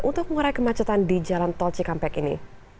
untuk mengurai kemacetan di jalan tol cikampek ini